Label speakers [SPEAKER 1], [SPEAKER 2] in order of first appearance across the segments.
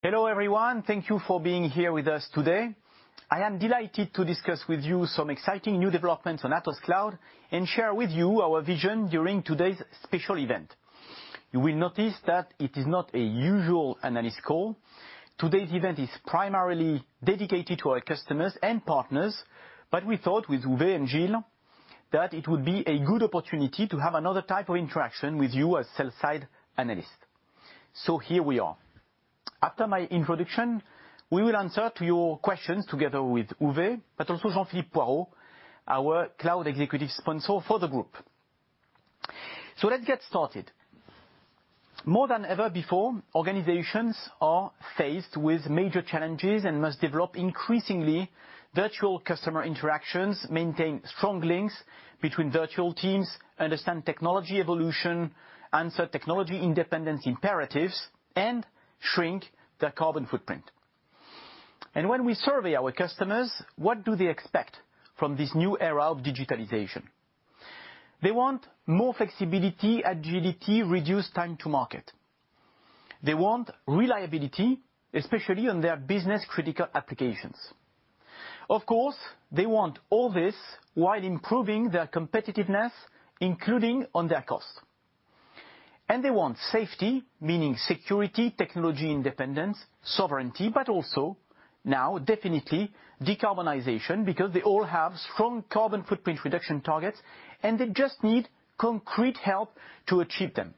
[SPEAKER 1] Hello, everyone. Thank you for being here with us today. I am delighted to discuss with you some exciting new developments on Atos Cloud, and share with you our vision during today's special event. You will notice that it is not a usual analyst call. Today's event is primarily dedicated to our customers and partners, but we thought with Uwe and Gilles that it would be a good opportunity to have another type of interaction with you as sell-side analysts. So here we are. After my introduction, we will answer to your questions together with Uwe, but also Jean-Philippe Poirault, our Cloud Executive Sponsor for the group. So let's get started. More than ever before, organizations are faced with major challenges and must develop increasingly virtual customer interactions, maintain strong links between virtual teams, understand technology evolution, answer technology independence imperatives, and shrink their carbon footprint. And when we survey our customers, what do they expect from this new era of digitalization? They want more flexibility, agility, reduced time to market. They want reliability, especially on their business-critical applications. Of course, they want all this while improving their competitiveness, including on their costs. And they want safety, meaning security, technology independence, sovereignty, but also now definitely decarbonization, because they all have strong carbon footprint reduction targets, and they just need concrete help to achieve them.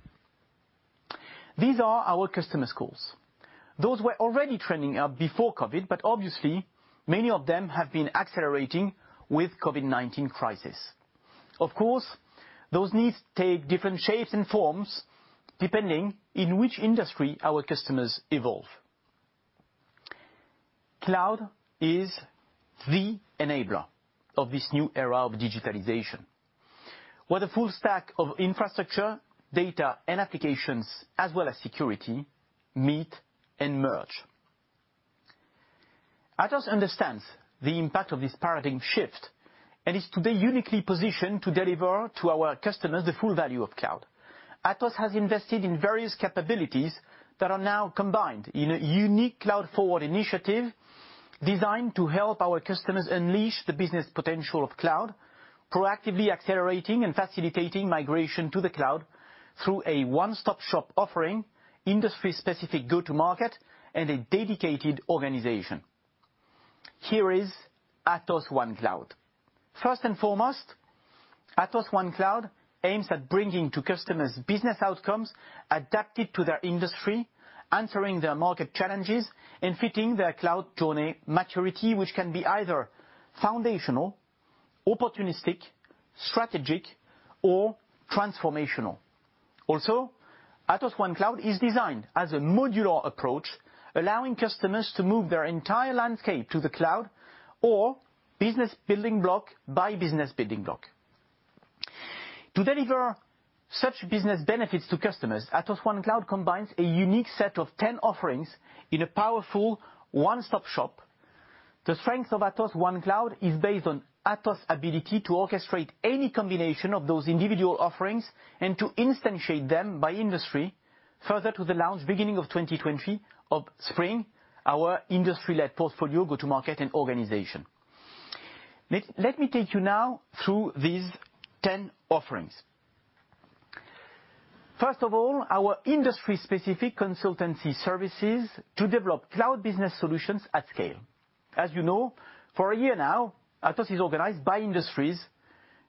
[SPEAKER 1] These are our customers' goals. Those were already trending up before COVID, but obviously, many of them have been accelerating with COVID-19 crisis. Of course, those needs take different shapes and forms, depending in which industry our customers evolve. Cloud is the enabler of this new era of digitalization, where the full stack of infrastructure, data, and applications, as well as security, meet and merge. Atos understands the impact of this paradigm shift, and is today uniquely positioned to deliver to our customers the full value of cloud. Atos has invested in various capabilities that are now combined in a unique cloud-forward initiative designed to help our customers unleash the business potential of cloud, proactively accelerating and facilitating migration to the cloud through a one-stop shop offering, industry-specific go-to market, and a dedicated organization. Here is Atos OneCloud. First and foremost, Atos OneCloud aims at bringing to customers business outcomes adapted to their industry, answering their market challenges, and fitting their cloud journey maturity, which can be either foundational, opportunistic, strategic, or transformational. Also, Atos OneCloud is designed as a modular approach, allowing customers to move their entire landscape to the cloud or business building block by business building block. To deliver such business benefits to customers, Atos OneCloud combines a unique set of ten offerings in a powerful one-stop shop. The strength of Atos OneCloud is based on Atos' ability to orchestrate any combination of those individual offerings and to instantiate them by industry. Further to the launch, beginning of 2020, of SPRING, our industry-led portfolio, go-to market, and organization. Let me take you now through these ten offerings. First of all, our industry-specific consultancy services to develop cloud business solutions at scale. As you know, for a year now, Atos is organized by industries,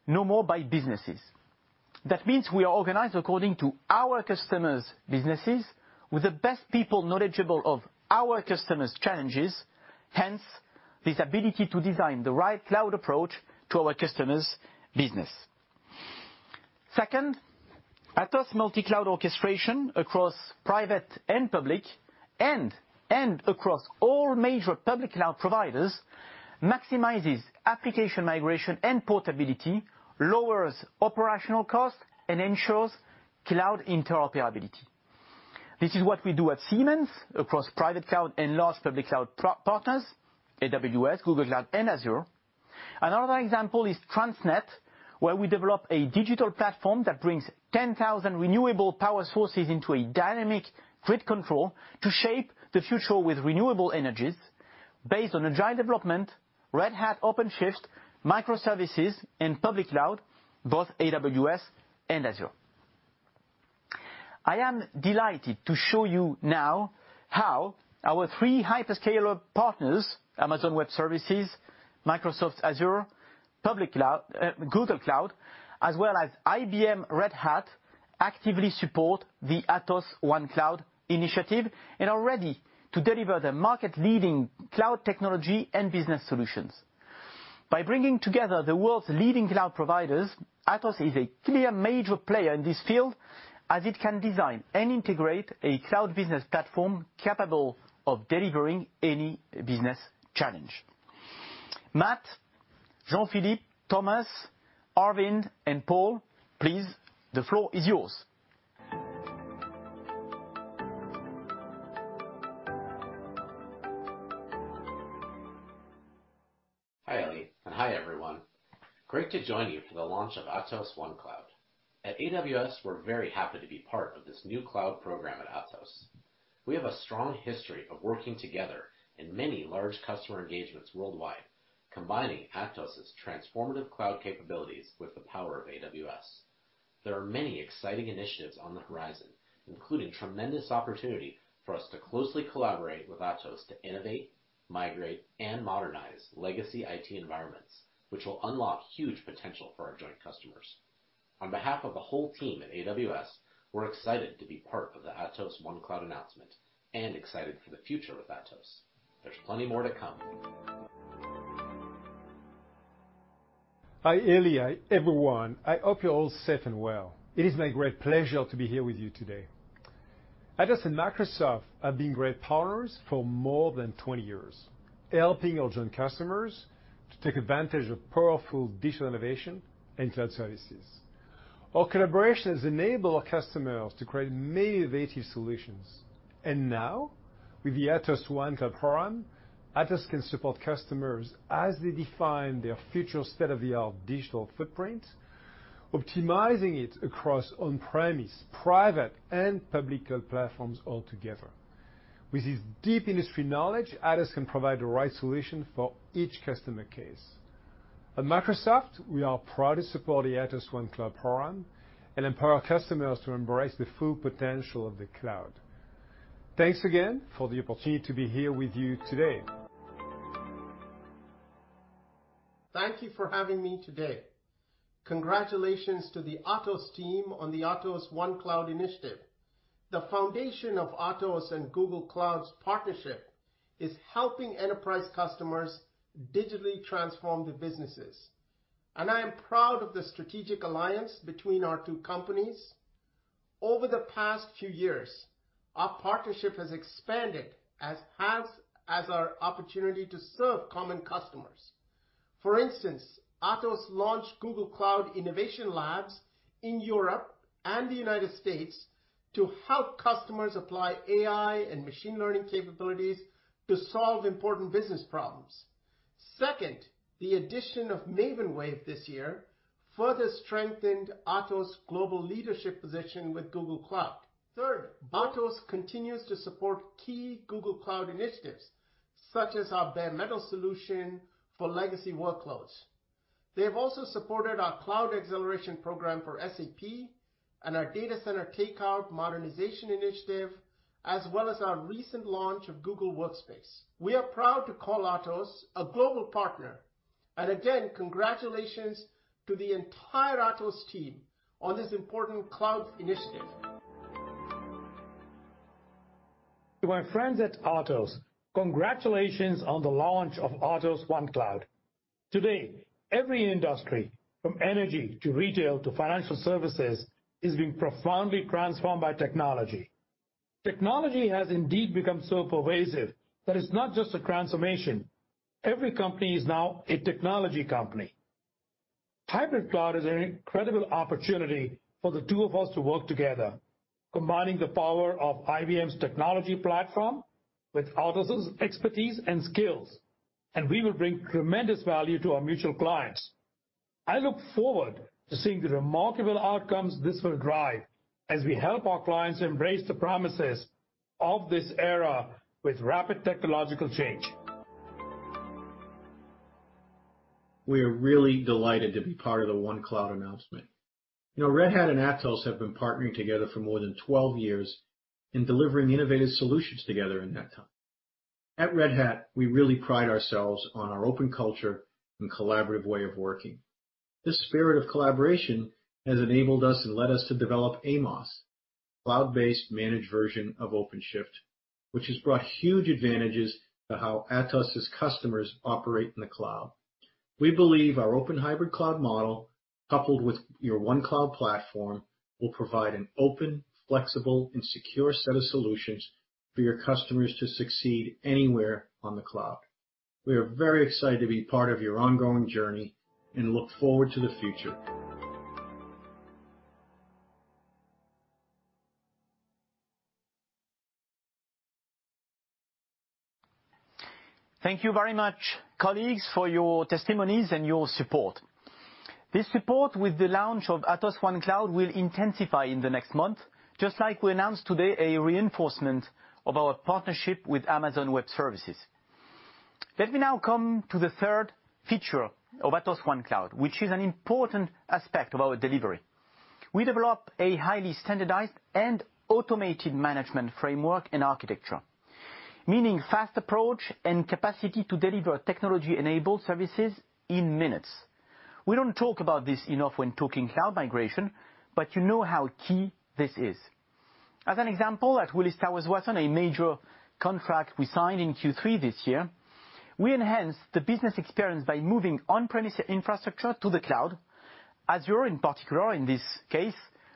[SPEAKER 1] no more by businesses. That means we are organized according to our customers' businesses with the best people knowledgeable of our customers' challenges, hence this ability to design the right cloud approach to our customer's business. Second, Atos multi-cloud orchestration across private and public, and across all major public cloud providers, maximizes application migration and portability, lowers operational costs, and ensures cloud interoperability. This is what we do at Siemens across private cloud and large public cloud partners, AWS, Google Cloud, and Azure. Another example is Transnet, where we develop a digital platform that brings 10,000 renewable power sources into a dynamic grid control to shape the future with renewable energies based on agile development, Red Hat OpenShift, microservices, and public cloud, both AWS and Azure. I am delighted to show you now how our three hyperscaler partners, Amazon Web Services, Microsoft Azure, public cloud, Google Cloud, as well as IBM Red Hat, actively support the Atos OneCloud initiative and are ready to deliver the market-leading cloud technology and business solutions. By bringing together the world's leading cloud providers, Atos is a clear major player in this field, as it can design and integrate a cloud business platform capable of delivering any business challenge. Matt, Jean-Philippe, Thomas, Arvind, and Paul, please, the floor is yours.
[SPEAKER 2] Hi, Elie, and hi, everyone. Great to join you for the launch of Atos OneCloud. At AWS, we're very happy to be part of this new cloud program at Atos. We have a strong history of working together in many large customer engagements worldwide, combining Atos's transformative cloud capabilities with the power of AWS. There are many exciting initiatives on the horizon, including tremendous opportunity for us to closely collaborate with Atos to innovate, migrate, and modernize legacy IT environments, which will unlock huge potential for our joint customers. On behalf of the whole team at AWS, we're excited to be part of the Atos OneCloud announcement and excited for the future with Atos. There's plenty more to come.
[SPEAKER 3] Hi, Elie, everyone. I hope you're all safe and well. It is my great pleasure to be here with you today. Atos and Microsoft have been great partners for more than twenty years, helping our joint customers to take advantage of powerful digital innovation and cloud services. Our collaborations enable our customers to create many innovative solutions, and now, with the Atos OneCloud program, Atos can support customers as they define their future state-of-the-art digital footprint, optimizing it across on-premise, private, and public cloud platforms altogether. With this deep industry knowledge, Atos can provide the right solution for each customer case. At Microsoft, we are proud to support the Atos OneCloud program and empower customers to embrace the full potential of the cloud. Thanks again for the opportunity to be here with you today.
[SPEAKER 4] Thank you for having me today. Congratulations to the Atos team on the Atos OneCloud initiative. The foundation of Atos and Google Cloud's partnership is helping enterprise customers digitally transform their businesses, and I am proud of the strategic alliance between our two companies. Over the past few years, our partnership has expanded, as has our opportunity to serve common customers. For instance, Atos launched Google Cloud Innovation Labs in Europe and the United States to help customers apply AI and machine learning capabilities to solve important business problems. Second, the addition of Maven Wave this year further strengthened Atos' global leadership position with Google Cloud. Third, Atos continues to support key Google Cloud initiatives, such as our bare metal solution for legacy workloads. They have also supported our cloud acceleration program for SAP and our data center takeout modernization initiative, as well as our recent launch of Google Workspace. We are proud to call Atos a global partner, and again, congratulations to the entire Atos team on this important cloud initiative.
[SPEAKER 5] To my friends at Atos, congratulations on the launch of Atos OneCloud. Today, every industry, from energy to retail to financial services, is being profoundly transformed by technology. Technology has indeed become so pervasive that it's not just a transformation. Every company is now a technology company. Hybrid cloud is an incredible opportunity for the two of us to work together, combining the power of IBM's technology platform with Atos' expertise and skills, and we will bring tremendous value to our mutual clients. I look forward to seeing the remarkable outcomes this will drive as we help our clients embrace the promises of this era with rapid technological change.
[SPEAKER 6] We are really delighted to be part of the OneCloud announcement. You know, Red Hat and Atos have been partnering together for more than twelve years and delivering innovative solutions together in that time. At Red Hat, we really pride ourselves on our open culture and collaborative way of working. This spirit of collaboration has enabled us and led us to develop AMOS, cloud-based managed version of OpenShift, which has brought huge advantages to how Atos' customers operate in the cloud. We believe our open hybrid cloud model, coupled with your OneCloud platform, will provide an open, flexible, and secure set of solutions for your customers to succeed anywhere on the cloud. We are very excited to be part of your ongoing journey and look forward to the future.
[SPEAKER 1] Thank you very much, colleagues, for your testimonies and your support. This support with the launch of Atos OneCloud will intensify in the next month, just like we announced today a reinforcement of our partnership with Amazon Web Services. Let me now come to the third feature of Atos OneCloud, which is an important aspect of our delivery. We developed a highly standardized and automated management framework and architecture, meaning fast approach and capacity to deliver technology-enabled services in minutes. We don't talk about this enough when talking cloud migration, but you know how key this is. As an example, at Willis Towers Watson, a major contract we signed in Q3 this year, we enhanced the business experience by moving on-premise infrastructure to the cloud, Azure in particular, in this case,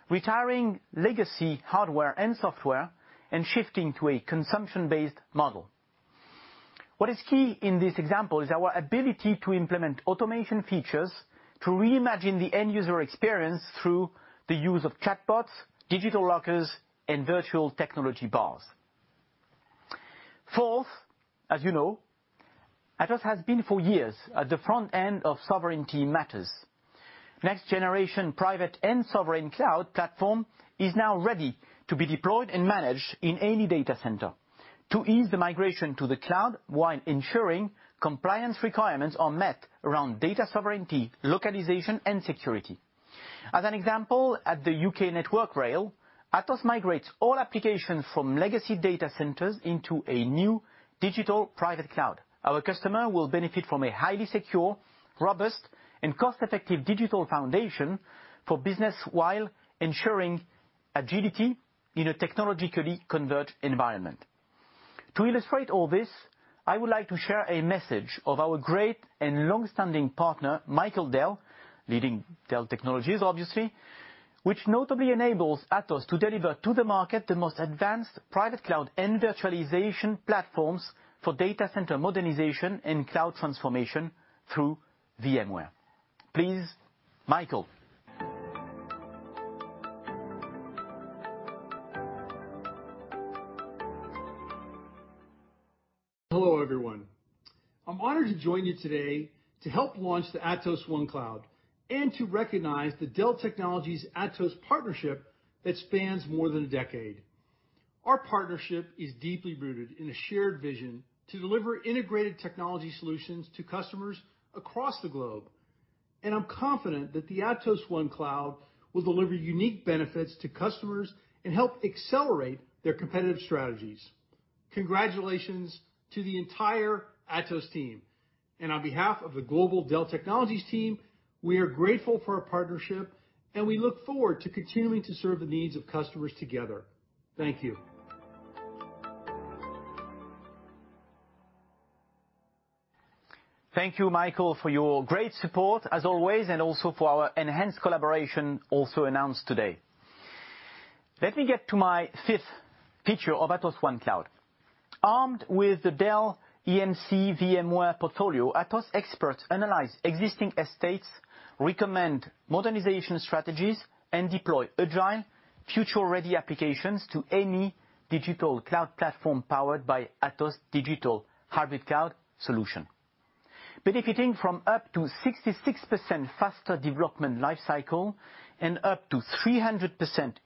[SPEAKER 1] retiring legacy hardware and software and shifting to a consumption-based model. What is key in this example is our ability to implement automation features to reimagine the end user experience through the use of chatbots, digital lockers, and virtual technology bars. Fourth, as you know, Atos has been for years at the front end of sovereignty matters. Next generation private and sovereign cloud platform is now ready to be deployed and managed in any data center to ease the migration to the cloud, while ensuring compliance requirements are met around data sovereignty, localization, and security. As an example, at the U.K. Network Rail, Atos migrates all applications from legacy data centers into a new digital private cloud. Our customer will benefit from a highly secure, robust, and cost-effective digital foundation for business, while ensuring agility in a technologically converged environment. To illustrate all this, I would like to share a message of our great and long-standing partner, Michael Dell, leading Dell Technologies, obviously, which notably enables Atos to deliver to the market the most advanced private cloud and virtualization platforms for data center modernization and cloud transformation through VMware. Please, Michael.
[SPEAKER 7] Hello, everyone. I'm honored to join you today to help launch the Atos OneCloud, and to recognize the Dell Technologies-Atos partnership that spans more than a decade. Our partnership is deeply rooted in a shared vision to deliver integrated technology solutions to customers across the globe, and I'm confident that the Atos OneCloud will deliver unique benefits to customers and help accelerate their competitive strategies. Congratulations to the entire Atos team. And on behalf of the global Dell Technologies team, we are grateful for our partnership, and we look forward to continuing to serve the needs of customers together. Thank you.
[SPEAKER 1] Thank you, Michael, for your great support, as always, and also for our enhanced collaboration, also announced today. Let me get to my fifth feature of Atos OneCloud. Armed with the Dell EMC VMware portfolio, Atos experts analyze existing estates, recommend modernization strategies, and deploy agile future-ready applications to any digital cloud platform powered by Atos digital hybrid cloud solution. Benefiting from up to 66% faster development life cycle and up to 300%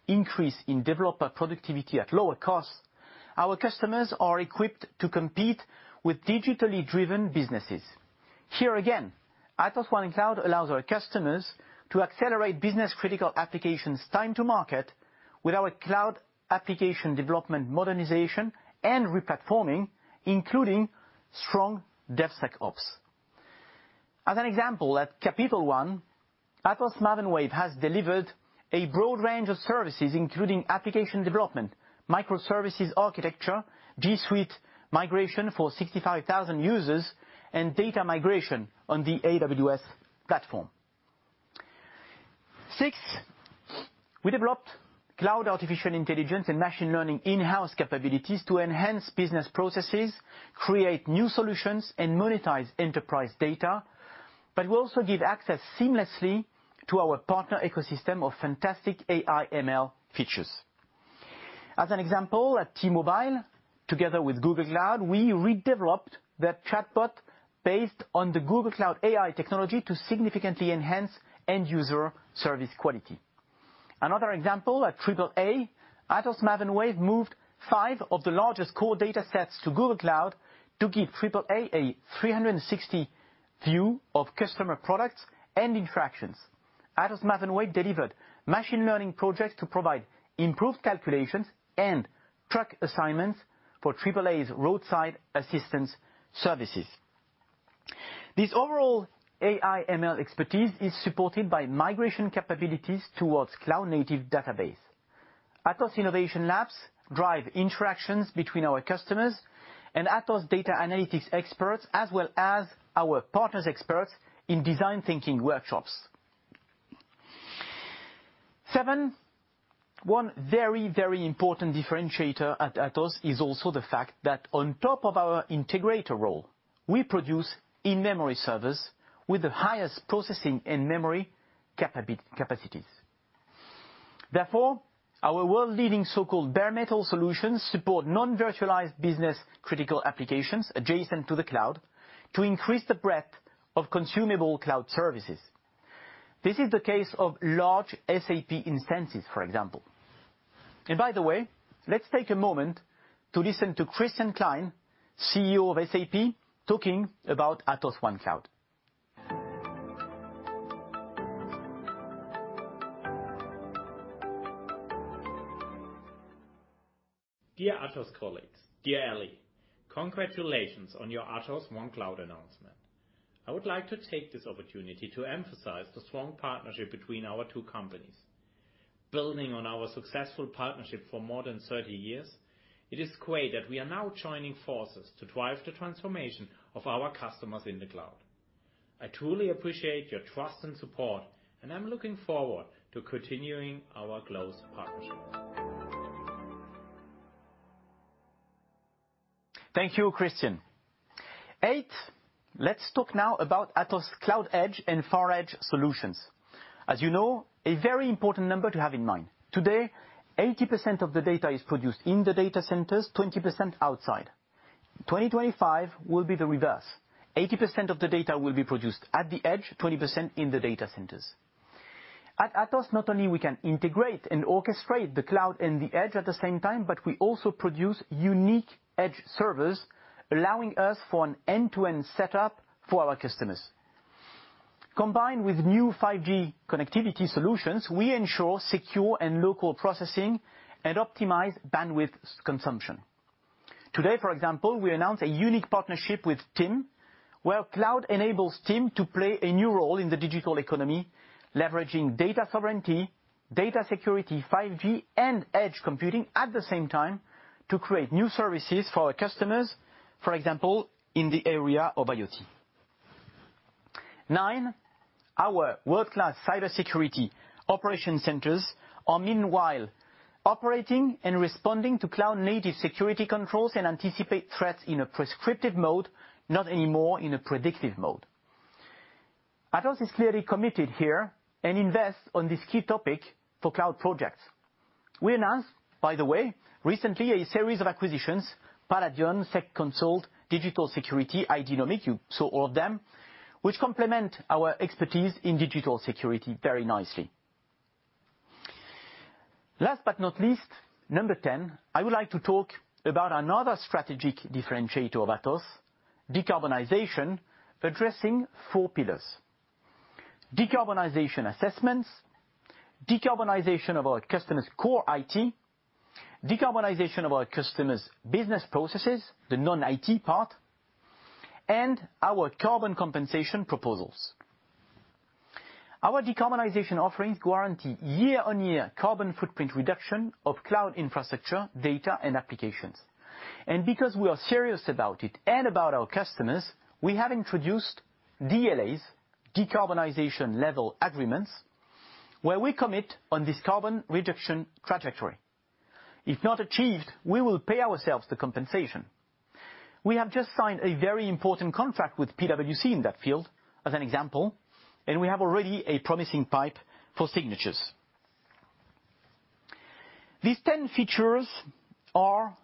[SPEAKER 1] increase in developer productivity at lower cost, our customers are equipped to compete with digitally driven businesses. Here again, Atos OneCloud allows our customers to accelerate business-critical applications' time to market with our cloud application development modernization and replatforming, including strong DevSecOps. As an example, at Capital One, Atos Maven Wave has delivered a broad range of services, including application development, microservices architecture, G Suite migration for 65,000 users, and data migration on the AWS platform. Sixth, we developed cloud artificial intelligence and machine learning in-house capabilities to enhance business processes, create new solutions, and monetize enterprise data, but we also give access seamlessly to our partner ecosystem of fantastic AI ML features. As an example, at T-Mobile, together with Google Cloud, we redeveloped their chatbot based on the Google Cloud AI technology to significantly enhance end-user service quality. Another example, at AAA, Atos Maven Wave moved five of the largest core datasets to Google Cloud to give AAA a 360 view of customer products and interactions. Atos Maven Wave delivered machine learning projects to provide improved calculations and truck assignments for AAA's roadside assistance services. This overall AI ML expertise is supported by migration capabilities towards cloud-native database. Atos Innovation Labs drive interactions between our customers and Atos data analytics experts, as well as our partners' experts in design thinking workshops. One very, very important differentiator at Atos is also the fact that on top of our integrator role, we produce in-memory servers with the highest processing and memory capacities. Therefore, our world-leading so-called bare metal solutions support non-virtualized business-critical applications adjacent to the cloud to increase the breadth of consumable cloud services. This is the case of large SAP instances, for example. And by the way, let's take a moment to listen to Christian Klein, CEO of SAP, talking about Atos OneCloud.
[SPEAKER 8] Dear Atos colleagues, dear Elie, congratulations on your Atos OneCloud announcement. I would like to take this opportunity to emphasize the strong partnership between our two companies. Building on our successful partnership for more than thirty years, it is great that we are now joining forces to drive the transformation of our customers in the cloud. I truly appreciate your trust and support, and I'm looking forward to continuing our close partnership.
[SPEAKER 1] Thank you, Christian. Let's talk now about Atos Cloud Edge and Far Edge solutions. As you know, a very important number to have in mind: today, 80% of the data is produced in the data centers, 20% outside. 2025 will be the reverse. 80% of the data will be produced at the edge, 20% in the data centers. At Atos, not only we can integrate and orchestrate the cloud and the edge at the same time, but we also produce unique edge servers, allowing us for an end-to-end setup for our customers. Combined with new 5G connectivity solutions, we ensure secure and local processing and optimize bandwidth consumption. Today, for example, we announced a unique partnership with TIM, where cloud enables TIM to play a new role in the digital economy, leveraging data sovereignty, data security, 5G, and edge computing at the same time to create new services for our customers, for example, in the area of IoT. Nine, our world-class cybersecurity operations centers are meanwhile operating and responding to cloud-native security controls and anticipate threats in a prescriptive mode, not anymore in a predictive mode. Atos is clearly committed here and invest on this key topic for cloud projects. We announced, by the way, recently, a series of acquisitions: Paladion, SEC Consult, Digital Security, Idnomic, you saw all of them, which complement our expertise in digital security very nicely. Last but not least, number ten, I would like to talk about another strategic differentiator of Atos, decarbonization, addressing four pillars: decarbonization assessments, decarbonization of our customers' core IT, decarbonization of our customers' business processes, the non-IT part, and our carbon compensation proposals. Our decarbonization offerings guarantee year-on-year carbon footprint reduction of cloud infrastructure, data, and applications. And because we are serious about it and about our customers, we have introduced DLAs, Decarbonization Level Agreements, where we commit on this carbon reduction trajectory. If not achieved, we will pay ourselves the compensation. We have just signed a very important contract with PwC in that field, as an example, and we have already a promising pipeline for signatures. These ten features are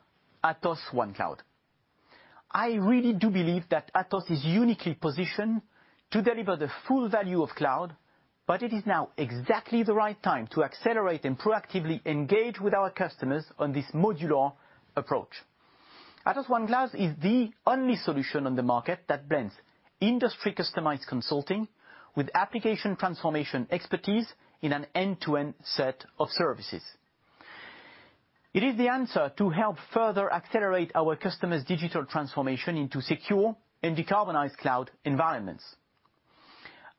[SPEAKER 1] Atos OneCloud. I really do believe that Atos is uniquely positioned to deliver the full value of cloud, but it is now exactly the right time to accelerate and proactively engage with our customers on this modular approach. Atos OneCloud is the only solution on the market that blends industry-customized consulting with application transformation expertise in an end-to-end set of services. It is the answer to help further accelerate our customers' digital transformation into secure and decarbonized cloud environments.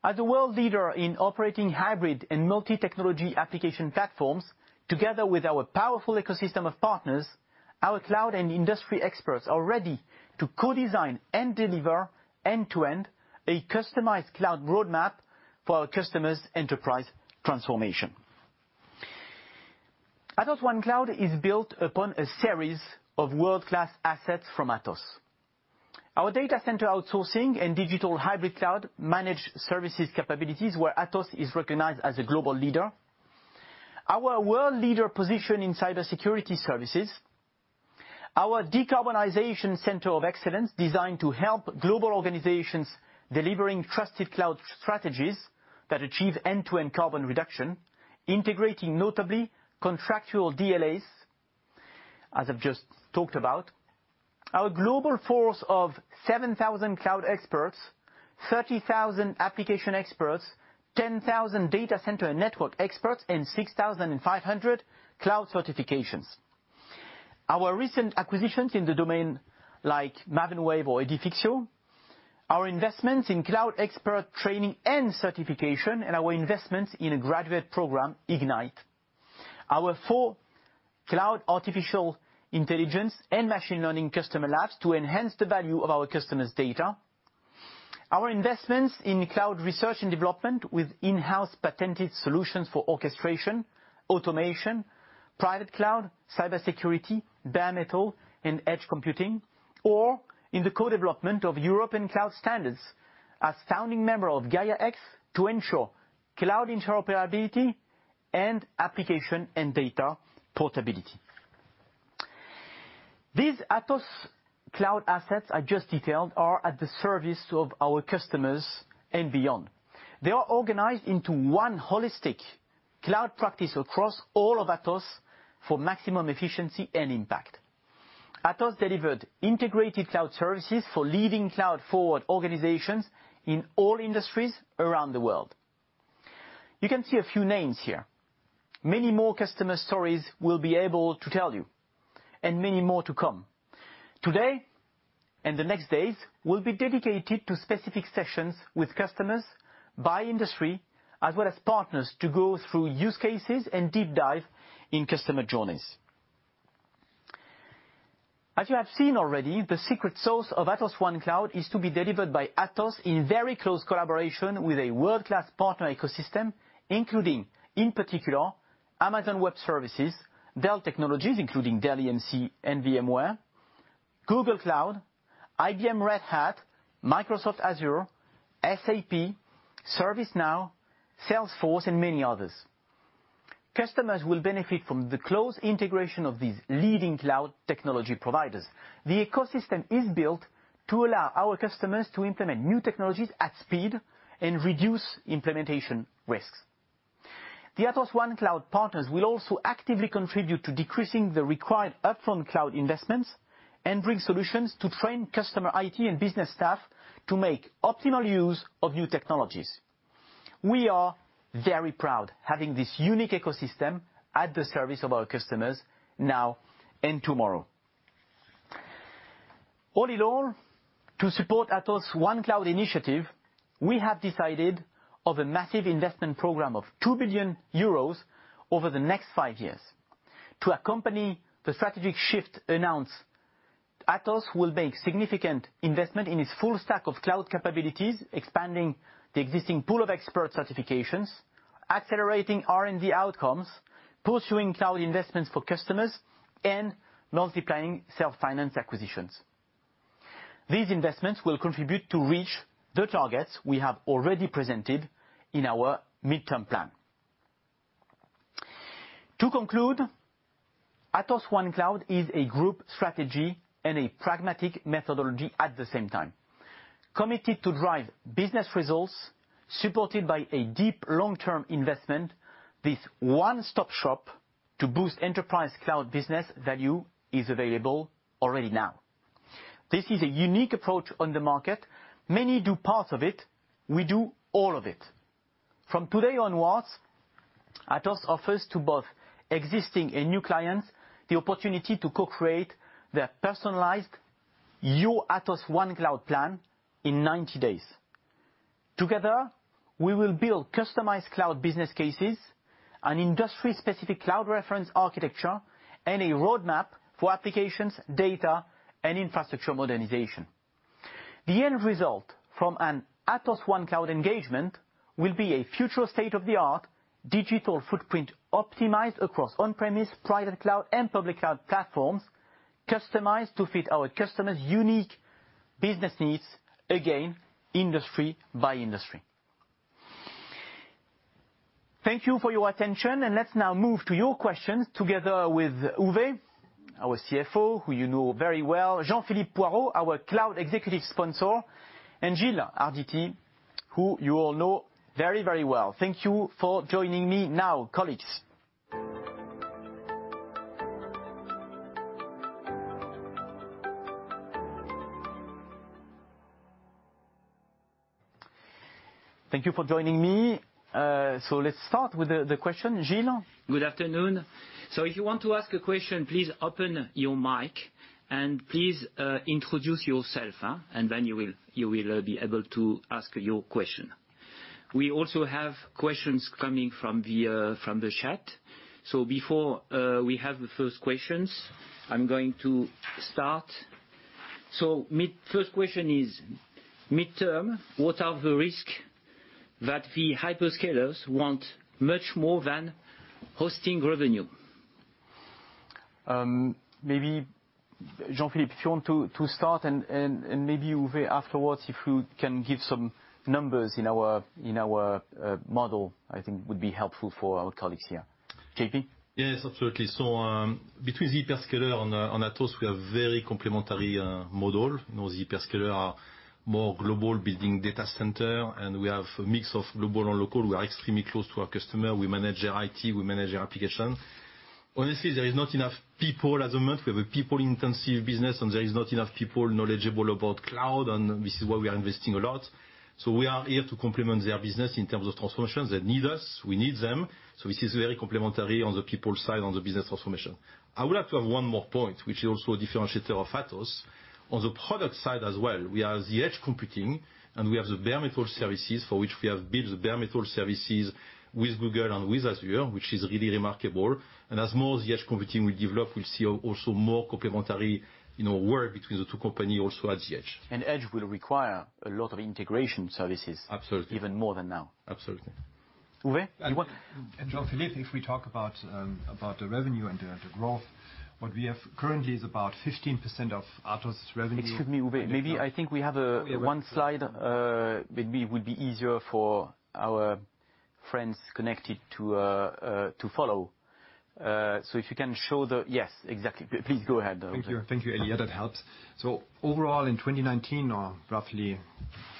[SPEAKER 1] As a world leader in operating hybrid and multi-technology application platforms, together with our powerful ecosystem of partners, our cloud and industry experts are ready to co-design and deliver end-to-end a customized cloud roadmap for our customers' enterprise transformation. Atos OneCloud is built upon a series of world-class assets from Atos. Our data center outsourcing and digital hybrid cloud managed services capabilities, where Atos is recognized as a global leader. Our world leader position in cybersecurity services. Our Decarbonization Center of Excellence, designed to help global organizations delivering trusted cloud strategies that achieve end-to-end carbon reduction, integrating notably contractual DLAs, as I've just talked about. Our global force of seven thousand cloud experts, thirty thousand application experts, ten thousand data center and network experts, and six thousand and five hundred cloud certifications. Our recent acquisitions in the domain, like Maven Wave or Edifixio, our investments in cloud expert training and certification, and our investments in a graduate program, Ignite. Our four cloud artificial intelligence and machine learning customer labs to enhance the value of our customers' data. Our investments in cloud research and development with in-house patented solutions for orchestration, automation, private cloud, cybersecurity, bare metal, and edge computing, or in the co-development of European cloud standards, as founding member of Gaia-X, to ensure cloud interoperability and application and data portability. These Atos cloud assets I just detailed are at the service of our customers and beyond. They are organized into one holistic cloud practice across all of Atos for maximum efficiency and impact. Atos delivered integrated cloud services for leading cloud-forward organizations in all industries around the world. You can see a few names here. Many more customer stories we'll be able to tell you, and many more to come. Today, and the next days, will be dedicated to specific sessions with customers by industry, as well as partners, to go through use cases and deep dive in customer journeys. As you have seen already, the secret sauce of Atos OneCloud is to be delivered by Atos in very close collaboration with a world-class partner ecosystem, including, in particular, Amazon Web Services, Dell Technologies, including Dell EMC and VMware, Google Cloud, IBM-Red Hat, Microsoft Azure, SAP, ServiceNow, Salesforce, and many others. Customers will benefit from the close integration of these leading cloud technology providers. The ecosystem is built to allow our customers to implement new technologies at speed and reduce implementation risks. The Atos OneCloud partners will also actively contribute to decreasing the required upfront cloud investments and bring solutions to train customer IT and business staff to make optimal use of new technologies. We are very proud having this unique ecosystem at the service of our customers now and tomorrow. All in all, to support Atos OneCloud initiative, we have decided of a massive investment program of 2 billion euros over the next five years. To accompany the strategic shift announced, Atos will make significant investment in its full stack of cloud capabilities, expanding the existing pool of expert certifications, accelerating R&D outcomes, pursuing cloud investments for customers, and multiplying self-finance acquisitions. These investments will contribute to reach the targets we have already presented in our midterm plan. To conclude, Atos OneCloud is a group strategy and a pragmatic methodology at the same time. Committed to drive business results, supported by a deep, long-term investment, this one-stop shop to boost enterprise cloud business value is available already now. This is a unique approach on the market. Many do part of it, we do all of it. From today onwards, Atos offers to both existing and new clients the opportunity to co-create their personalized Your Atos One Cloud plan in ninety days. Together, we will build customized cloud business cases, an industry-specific cloud reference architecture, and a roadmap for applications, data, and infrastructure modernization. The end result from an Atos One Cloud engagement will be a future state-of-the-art digital footprint, optimized across on-premise, private cloud, and public cloud platforms, customized to fit our customers' unique business needs, again, industry by industry. Thank you for your attention, and let's now move to your questions together with Uwe, our CFO, who you know very well, Jean-Philippe Poirault, our Cloud Executive Sponsor, and Gilles Arditi, who you all know very, very well. Thank you for joining me now, colleagues. Thank you for joining me. So let's start with the question. Gilles?
[SPEAKER 9] Good afternoon. So if you want to ask a question, please open your mic, and please, introduce yourself, and then you will be able to ask your question. We also have questions coming from the chat. So before we have the first questions, I'm going to start. First question is: midterm, what are the risk that the hyperscalers want much more than hosting revenue?
[SPEAKER 1] Maybe Jean-Philippe, if you want to start, and maybe Uwe, afterwards, if you can give some numbers in our model, I think would be helpful for our colleagues here. JP?
[SPEAKER 10] Yes, absolutely. So, between the hyperscaler on, on Atos, we have very complementary, model. You know, the hyperscaler are more global building data center, and we have a mix of global and local. We are extremely close to our customer. We manage their IT, we manage their application. Honestly, there is not enough people at the moment. We have a people-intensive business, and there is not enough people knowledgeable about cloud, and this is why we are investing a lot. So we are here to complement their business in terms of transformations. They need us, we need them, so this is very complementary on the people side, on the business transformation. I would like to have one more point, which is also a differentiator of Atos. On the product side as well, we are the edge computing, and we have the Bare Metal services, for which we have built the Bare Metal services with Google and with Azure, which is really remarkable, and as more the edge computing will develop, we'll see also more complementary, you know, work between the two company also at the edge.
[SPEAKER 9] Edge will require a lot of integration services.
[SPEAKER 10] Absolutely.
[SPEAKER 9] even more than now.
[SPEAKER 10] Absolutely.
[SPEAKER 1] Uwe, you want-
[SPEAKER 11] Jean-Philippe, if we talk about the revenue and the growth, what we have currently is about 15% of Atos' revenue.
[SPEAKER 1] Excuse me, Uwe. Maybe I think we have,
[SPEAKER 11] Oh, yeah...
[SPEAKER 1] one slide, maybe would be easier for our friends connected to, to follow. So if you can show the... Yes, exactly. Please go ahead, Uwe.
[SPEAKER 11] Thank you. Thank you, Elie, that helps. So overall, in twenty nineteen or roughly,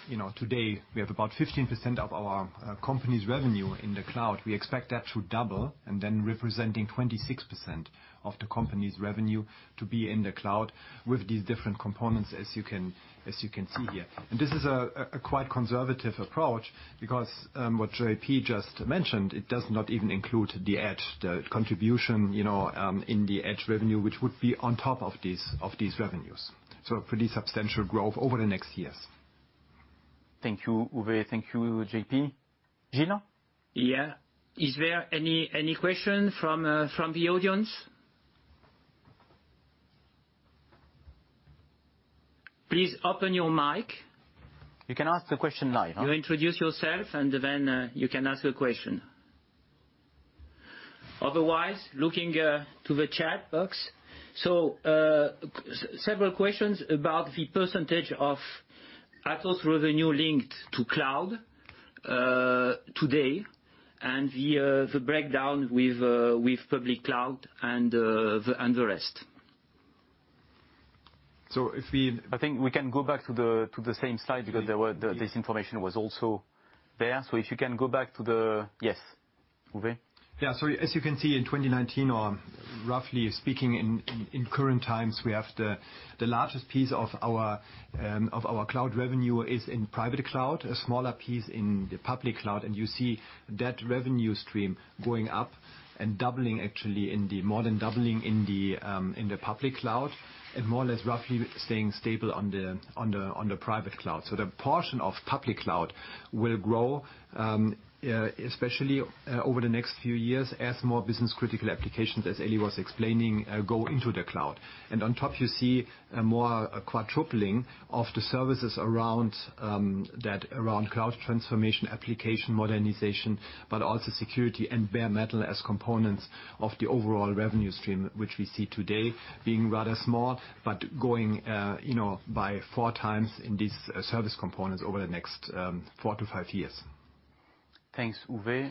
[SPEAKER 11] you know, today, we have about 15% of our company's revenue in the cloud. We expect that to double, and then representing 26% of the company's revenue to be in the cloud with these different components, as you can see here. And this is a quite conservative approach because what JP just mentioned, it does not even include the edge, the contribution, you know, in the edge revenue, which would be on top of these, of these revenues. So pretty substantial growth over the next years.
[SPEAKER 1] Thank you, Uwe. Thank you, JP. Gilles?
[SPEAKER 9] Yeah. Is there any question from the audience? Please open your mic.
[SPEAKER 1] You can ask the question live, huh?
[SPEAKER 9] You introduce yourself, and then you can ask a question. Otherwise, looking to the chat box. So, several questions about the percentage of Atos revenue linked to cloud today, and the breakdown with public cloud and the rest.
[SPEAKER 1] I think we can go back to the same slide, because there were-
[SPEAKER 9] Yes.
[SPEAKER 1] This information was also there. So if you can go back to the... Yes. Uwe?
[SPEAKER 11] Yeah. So as you can see, in twenty nineteen, or roughly speaking, in current times, we have the largest piece of our cloud revenue is in private cloud, a smaller piece in the public cloud. And you see that revenue stream going up and doubling, actually, in the more than doubling in the public cloud, and more or less roughly staying stable on the private cloud. So the portion of public cloud will grow, especially over the next few years as more business-critical applications, as Elie was explaining, go into the cloud. And on top, you see a quadrupling of the services around cloud transformation, application modernization, but also security and bare metal as components of the overall revenue stream, which we see today being rather small, but going, you know, by four times in these service components over the next four to five years.
[SPEAKER 1] Thanks, Uwe.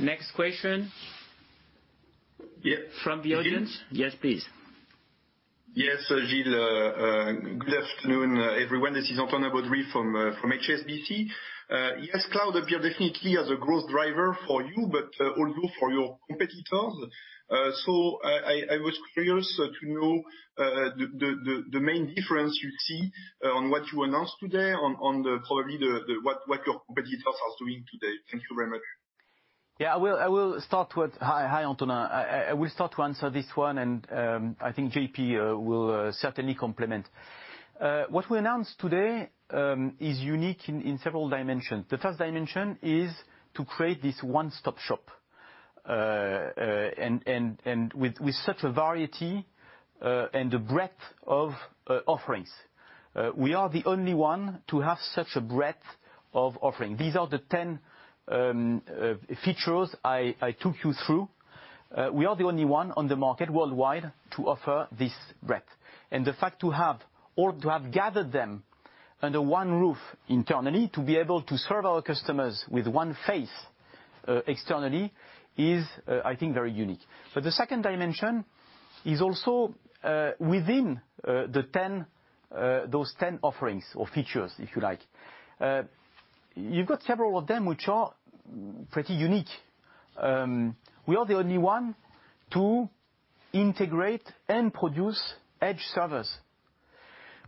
[SPEAKER 9] Next question?
[SPEAKER 12] Yeah.
[SPEAKER 9] From the audience?
[SPEAKER 12] Gilles?
[SPEAKER 9] Yes, please.
[SPEAKER 12] Yes, Gilles, good afternoon, everyone. This is Antonin Baudry from HSBC. Yes, cloud appears definitely as a growth driver for you, but also for your competitors. So I was curious to know the main difference you see on what you announced today, on probably what your competitors are doing today. Thank you very much.
[SPEAKER 1] Yeah. I will start with... Hi, Antonin. I will start to answer this one, and I think JP will certainly complement. What we announced today is unique in several dimensions. The first dimension is to create this one-stop shop and with such a variety and a breadth of offerings. We are the only one to have such a breadth of offering. These are the 10 features I took you through. We are the only one on the market worldwide to offer this breadth. And the fact to have gathered them under one roof internally, to be able to serve our customers with one face externally, is, I think, very unique. But the second dimension is also, within, the ten, those ten offerings or features, if you like. You've got several of them which are pretty unique. We are the only one to integrate and produce edge servers.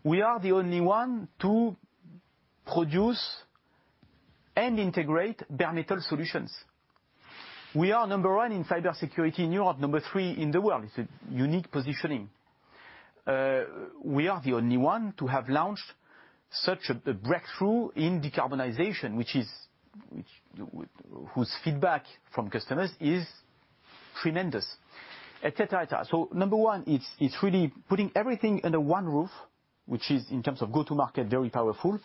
[SPEAKER 1] We are the only one to produce and integrate bare metal solutions. We are number one in cybersecurity in Europe, number three in the world. It's a unique positioning. We are the only one to have launched such a breakthrough in decarbonization, whose feedback from customers is tremendous, et cetera, et cetera. So number one, it's really putting everything under one roof, which is, in terms of go-to market, very powerful.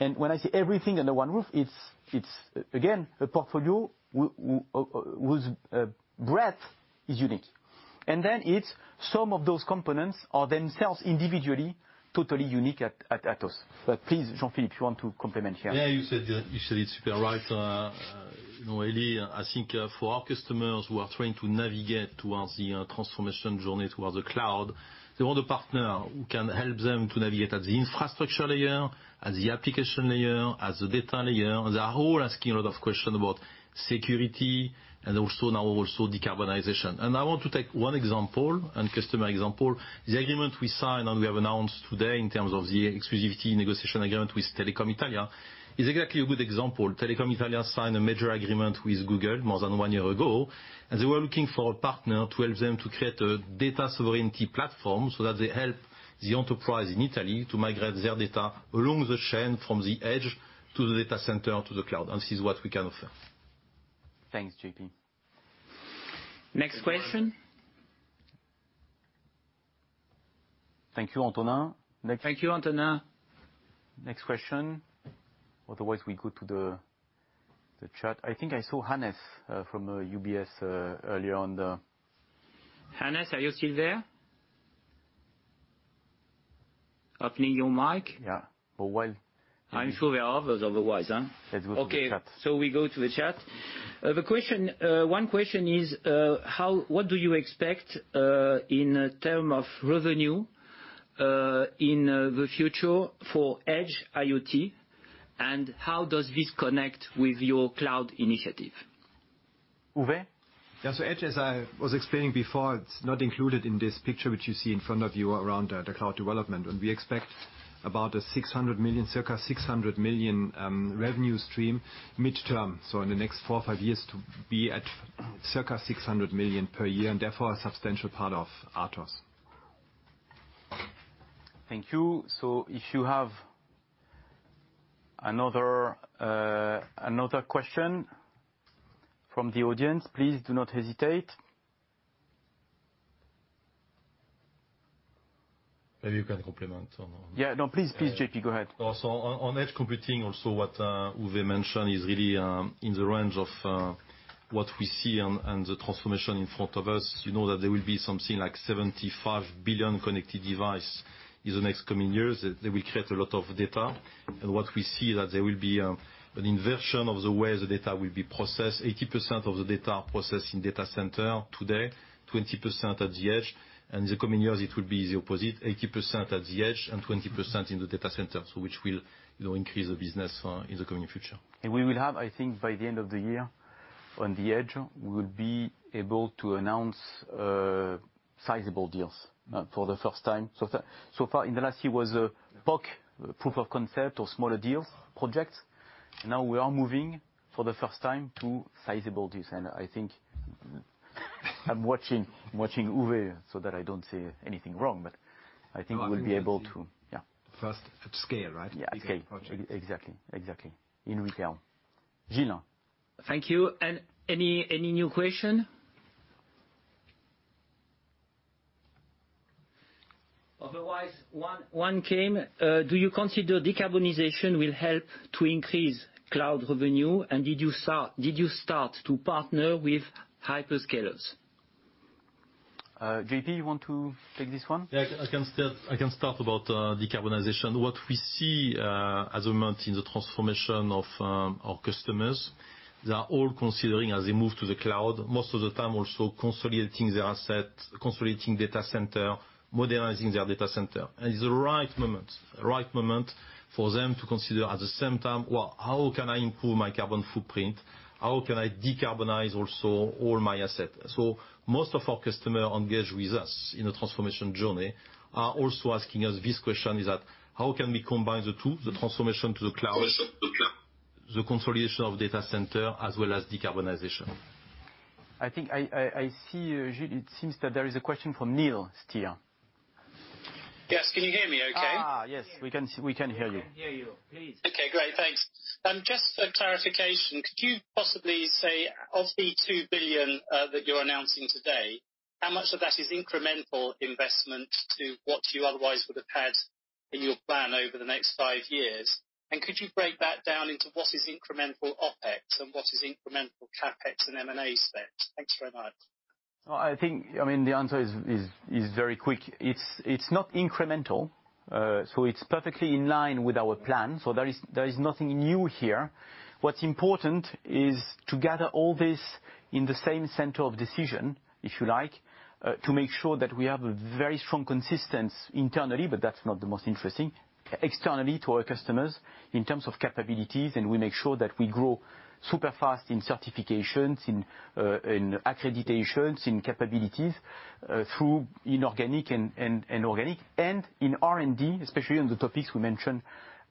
[SPEAKER 1] And when I say everything under one roof, it's, again, a portfolio whose breadth is unique. And then it's some of those components are themselves individually totally unique at Atos. But please, Jean-Philippe, you want to complement here?
[SPEAKER 10] Yeah. You said it super right, you know, Elie. I think, for our customers who are trying to navigate towards the transformation journey towards the cloud, they want a partner who can help them to navigate at the infrastructure layer, at the application layer, at the data layer. They are all asking a lot of question about security and also, now also decarbonization. I want to take one example and customer example. The agreement we signed and we have announced today in terms of the exclusivity negotiation agreement with Telecom Italia is exactly a good example. Telecom Italia signed a major agreement with Google more than one year ago, and they were looking for a partner to help them to create a data sovereignty platform, so that they help the enterprise in Italy to migrate their data along the chain from the edge to the data center to the cloud. This is what we can offer.
[SPEAKER 1] Thanks, JP.
[SPEAKER 9] Next question?
[SPEAKER 1] Thank you, Antonin.
[SPEAKER 9] Thank you, Antonin.
[SPEAKER 1] Next question. Otherwise, we go to the chat. I think I saw Hannes from UBS earlier on the-
[SPEAKER 9] Hannes, are you still there? Opening your mic.
[SPEAKER 1] Yeah, for while-
[SPEAKER 9] I'm sure there are others otherwise, huh?
[SPEAKER 1] Let's go to the chat.
[SPEAKER 9] Okay, so we go to the chat. One question is, how what do you expect in terms of revenue in the future for Edge IoT, and how does this connect with your cloud initiative?
[SPEAKER 1] Uwe?
[SPEAKER 11] Yeah. So Edge, as I was explaining before, it's not included in this picture, which you see in front of you around the cloud development. And we expect about 600 million, circa 600 million, revenue stream mid-term, so in the next four or five years, to be at circa 600 million per year, and therefore, a substantial part of Atos.
[SPEAKER 1] Thank you. So if you have another question from the audience, please do not hesitate. ...
[SPEAKER 10] maybe you can comment on-
[SPEAKER 1] Yeah, no, please, please, JP, go ahead.
[SPEAKER 10] Also, on edge computing, also what Uwe mentioned is really in the range of what we see on the transformation in front of us. You know that there will be something like 75 billion connected devices in the next coming years. They will create a lot of data. And what we see that there will be an inversion of the way the data will be processed. 80% of the data are processed in data centers today, 20% at the edge, and in the coming years it will be the opposite, 80% at the edge and 20% in the data center, so which will, you know, increase the business in the coming future.
[SPEAKER 1] We will have, I think, by the end of the year, on the edge, we will be able to announce sizable deals for the first time. So far in the last year was a PoC, proof of concept or smaller deals, projects. Now we are moving, for the first time, to sizable deals, and I think I'm watching Uwe so that I don't say anything wrong, but I think we'll be able to... Yeah.
[SPEAKER 10] First at scale, right?
[SPEAKER 1] Yeah, scale.
[SPEAKER 10] Projects.
[SPEAKER 1] Exactly. Exactly. In retail. Gilles?
[SPEAKER 9] Thank you. And any new question? Otherwise, one came: do you consider decarbonization will help to increase cloud revenue? And did you start to partner with hyperscalers?
[SPEAKER 1] JP, you want to take this one?
[SPEAKER 10] Yeah, I can start about decarbonization. What we see at the moment in the transformation of our customers, they are all considering, as they move to the cloud, most of the time also consolidating their assets, consolidating data center, modernizing their data center. It is the right moment for them to consider at the same time, "Well, how can I improve my carbon footprint? How can I decarbonize also all my assets?" Most of our customer engage with us in a transformation journey, are also asking us this question, is that: "How can we combine the two, the transformation to the cloud, the consolidation of data center, as well as decarbonization?
[SPEAKER 1] I think I see, Gilles, it seems that there is a question from Neil Steer.
[SPEAKER 13] Yes. Can you hear me okay?
[SPEAKER 1] Ah, yes, we can hear you.
[SPEAKER 9] We can hear you, please.
[SPEAKER 13] Okay, great. Thanks. Just for clarification, could you possibly say, of the 2 billion that you're announcing today, how much of that is incremental investment to what you otherwise would have had in your plan over the next five years? And could you break that down into what is incremental OpEx and what is incremental CapEx and M&A spend? Thanks very much.
[SPEAKER 1] I think, I mean, the answer is very quick. It's not incremental, so it's perfectly in line with our plan. So there is nothing new here. What's important is to gather all this in the same center of decision, if you like, to make sure that we have a very strong consistence internally, but that's not the most interesting, externally to our customers in terms of capabilities, and we make sure that we grow super fast in certifications, in accreditations, in capabilities, through inorganic and organic, and in R&D, especially on the topics we mentioned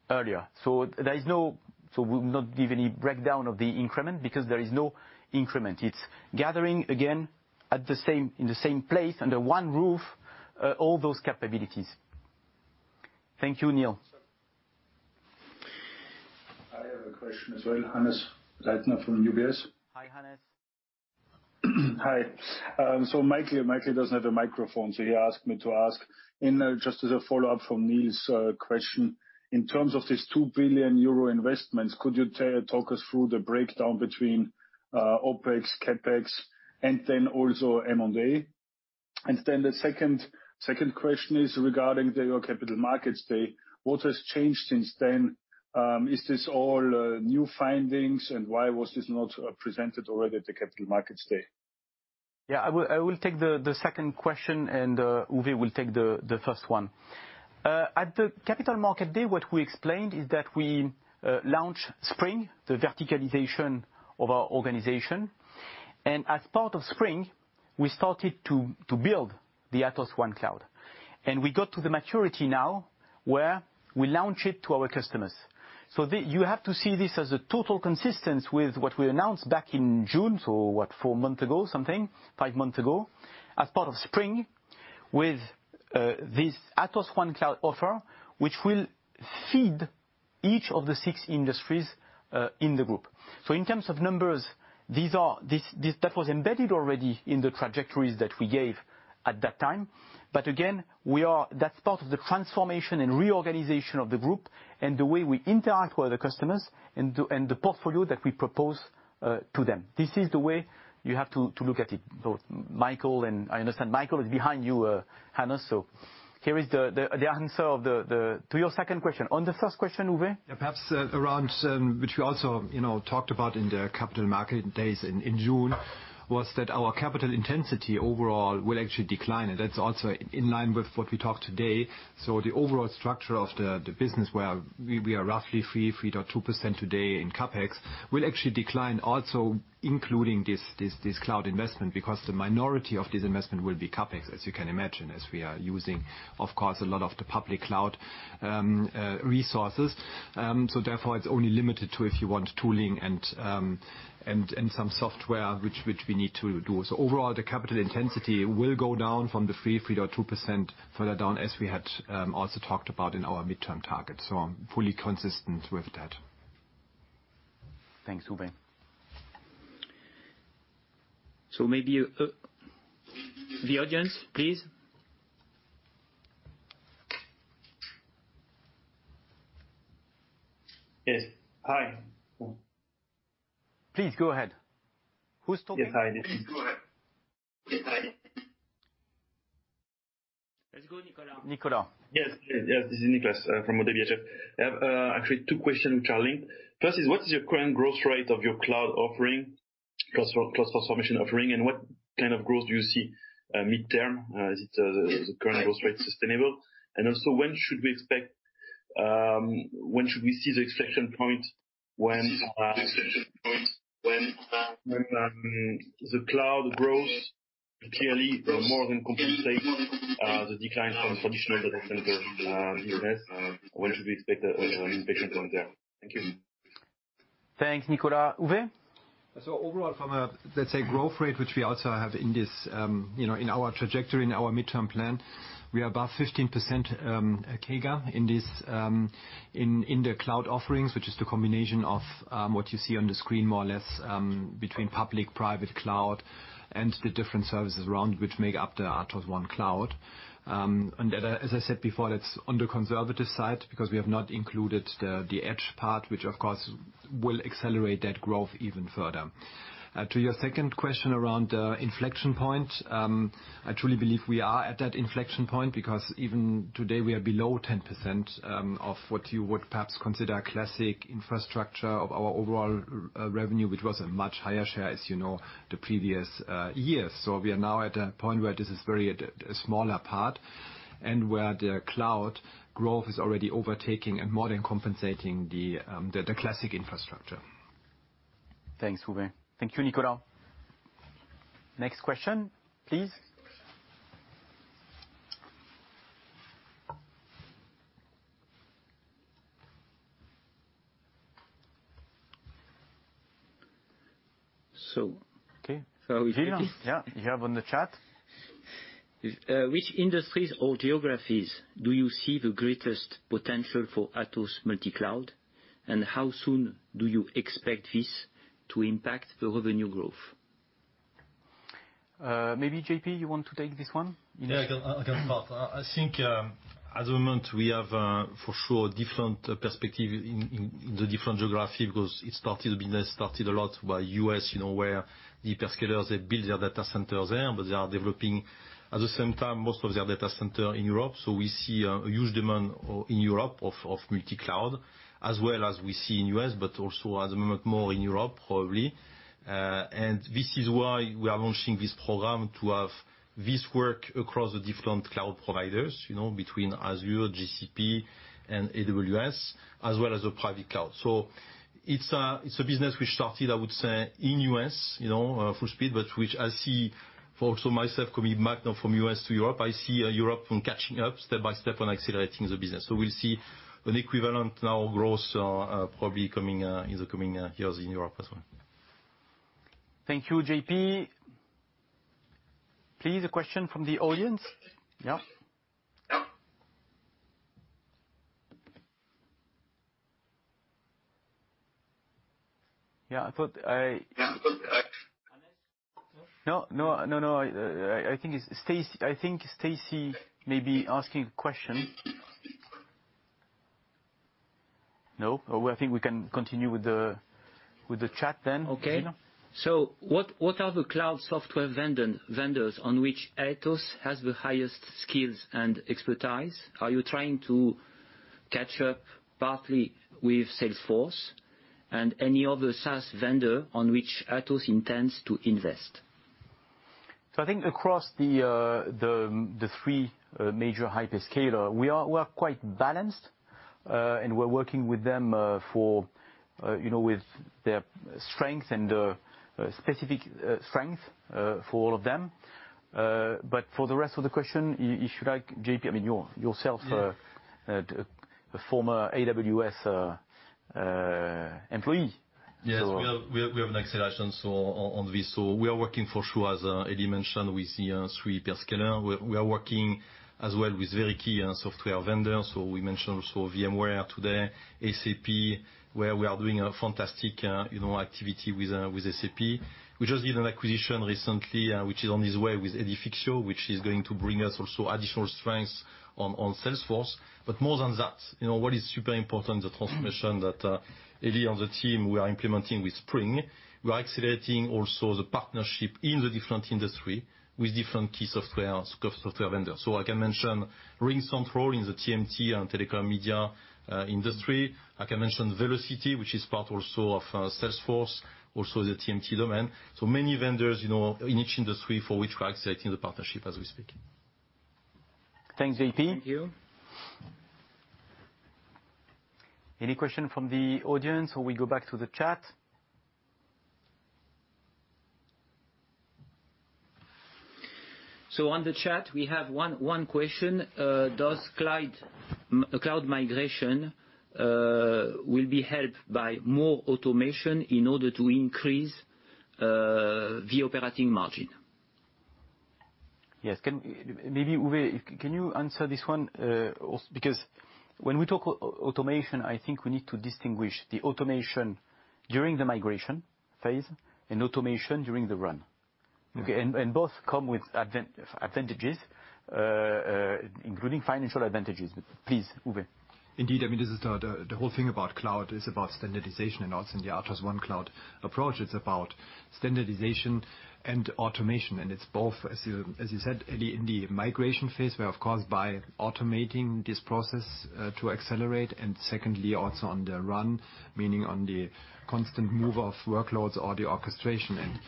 [SPEAKER 1] earlier. So there is no... So we'll not give any breakdown of the increment because there is no increment. It's gathering, again, at the same, in the same place, under one roof, all those capabilities. Thank you, Neil.
[SPEAKER 14] I have a question as well, Hannes Leitner from UBS.
[SPEAKER 1] Hi, Hannes.
[SPEAKER 14] Hi. So Michael, Michael doesn't have a microphone, so he asked me to ask, you know, just as a follow-up from Neil's question: In terms of this 2 billion euro investment, could you talk us through the breakdown between OpEx, CapEx, and then also M&A? And then the second question is regarding your Capital Markets Day. What has changed since then? Is this all new findings, and why was this not presented already at the Capital Markets Day?
[SPEAKER 1] Yeah, I will take the second question, and Uwe will take the first one. At the Capital Markets Day, what we explained is that we launched SPRING, the verticalization of our organization. And as part of SPRING, we started to build the Atos OneCloud. And we got to the maturity now where we launch it to our customers. So the... You have to see this as a total consistency with what we announced back in June, so what, four months ago, five months ago, as part of SPRING, with this Atos OneCloud offer, which will feed each of the six industries in the group. So in terms of numbers, these are, that was embedded already in the trajectories that we gave at that time. But again, we are, that's part of the transformation and reorganization of the group and the way we interact with the customers and the portfolio that we propose to them. This is the way you have to look at it. So Michael, and I understand Michael is behind you, Hannes, so here is the answer to your second question. On the first question, Uwe?
[SPEAKER 10] Yeah, perhaps around, which we also, you know, talked about in the Capital Market days in June, was that our capital intensity overall will actually decline, and that's also in line with what we talked today. So the overall structure of the business where we are roughly 3.2% today in CapEx will actually decline also, including this cloud investment, because the minority of this investment will be CapEx, as you can imagine, as we are using, of course, a lot of the public cloud resources. So therefore it's only limited to, if you want, tooling and some software which we need to do. So overall, the capital intensity will go down from the 3.2% further down, as we had also talked about in our midterm target. So fully consistent with that.
[SPEAKER 1] Thanks, Uwe....
[SPEAKER 9] So maybe you, the audience, please?
[SPEAKER 15] Yes. Hi.
[SPEAKER 1] Please go ahead. Who's talking?
[SPEAKER 15] Yes, hi. Please go ahead. Yes, hi.
[SPEAKER 9] Let's go, Nicolas.
[SPEAKER 1] Nicolas?
[SPEAKER 15] Yes, yes, this is Nicolas from ODDO BHF. I have actually two questions [to Elie]. First is, what is your current growth rate of your cloud offering, cloud transformation offering, and what kind of growth do you see midterm? Is it the current growth rate sustainable? And also, when should we expect, when should we see the inflection point when the cloud grows? Clearly more than compensate the decline from traditional data center US. When should we expect an inflection point there? Thank you.
[SPEAKER 1] Thanks, Nicolas. Uwe?
[SPEAKER 11] So overall from a, let's say, growth rate, which we also have in this, you know, in our trajectory, in our midterm plan, we are above 15%, CAGR in this, in the cloud offerings, which is the combination of, what you see on the screen, more or less, between public, private cloud and the different services around which make up the Atos OneCloud. And as I said before, that's on the conservative side, because we have not included the edge part, which, of course, will accelerate that growth even further. To your second question around the inflection point, I truly believe we are at that inflection point, because even today, we are below 10% of what you would perhaps consider classic infrastructure of our overall revenue, which was a much higher share, as you know, the previous years. We are now at a point where this is very a smaller part, and where the cloud growth is already overtaking and more than compensating the classic infrastructure.
[SPEAKER 1] Thanks, Uwe. Thank you, Nicolas. Next question, please. So-
[SPEAKER 9] Okay.
[SPEAKER 1] So-
[SPEAKER 9] Yeah, you have on the chat.
[SPEAKER 1] Which industries or geographies do you see the greatest potential for Atos multi-cloud, and how soon do you expect this to impact the revenue growth?
[SPEAKER 11] Maybe, JP, you want to take this one?
[SPEAKER 10] Yeah, I can start. I think, at the moment, we have, for sure, different perspective in the different geography because business started a lot by U.S., you know, where the hyperscalers, they build their data centers there, but they are developing, at the same time, most of their data center in Europe. So we see a huge demand in Europe, of multi-cloud, as well as we see in U.S., but also at the moment, more in Europe, probably. And this is why we are launching this program, to have this work across the different cloud providers, you know, between Azure, GCP and AWS, as well as the private cloud. It's a business which started, I would say, in the U.S., you know, full speed, but which I see for also myself coming back now from the U.S. to Europe. I see Europe from catching up step by step and accelerating the business. We'll see an equivalent now growth probably coming in the coming years in Europe as well.
[SPEAKER 1] Thank you, JP. Please, a question from the audience? Yeah.
[SPEAKER 15] Yeah.
[SPEAKER 1] Yeah, I thought. No, no, no, no, I think it's Stacy. I think Stacy may be asking a question. No? Oh, I think we can continue with the chat then.
[SPEAKER 9] Okay. What are the cloud software vendors on which Atos has the highest skills and expertise? Are you trying to catch up partly with Salesforce and any other SaaS vendor on which Atos intends to invest?
[SPEAKER 11] So I think across the three major hyperscaler, we are quite balanced, and we're working with them, for, you know, with their strength and specific strength for all of them. But for the rest of the question, if you like, JP, I mean, you're yourself-
[SPEAKER 10] Yeah...
[SPEAKER 11] a former AWS employee.
[SPEAKER 10] Yes, we have an acceleration, so on this, so we are working for sure, as Elie mentioned, with the three hyperscaler. We are working as well with very key software vendors. So we mentioned also VMware today, SAP, where we are doing a fantastic, you know, activity with SAP. We just did an acquisition recently, which is on its way with Edifixio, which is going to bring us also additional strengths on Salesforce. But more than that, you know, what is super important, the transformation that Elie and the team we are implementing with SPRING, we are accelerating also the partnership in the different industry with different key software vendors. So I can mention RingCentral in the TMT and telecom media industry. I can mention Vlocity, which is part also of Salesforce, also the TMT domain. So many vendors, you know, in each industry for which we are accelerating the partnership as we speak.
[SPEAKER 1] Thanks, JP.
[SPEAKER 9] Thank you.
[SPEAKER 1] Any question from the audience, or we go back to the chat?
[SPEAKER 9] So on the chat, we have one question. Does cloud migration will be helped by more automation in order to increase the operating margin?...
[SPEAKER 1] Yes, maybe Uwe, can you answer this one? Also, because when we talk about automation, I think we need to distinguish the automation during the migration phase and automation during the run. Okay, and both come with advantages, including financial advantages. Please, Uwe.
[SPEAKER 11] Indeed, I mean, this is the whole thing about cloud is about standardization, and also in the Atos OneCloud approach, it's about standardization and automation. And it's both, as you said, in the migration phase, where, of course, by automating this process to accelerate, and secondly, also on the run, meaning on the constant move of workloads or the orchestration. And